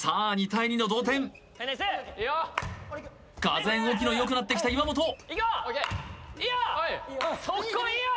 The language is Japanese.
２対２の同点がぜん動きのよくなってきた岩本いいよ